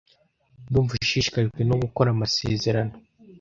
Ndumva ushishikajwe no gukora amasezerano.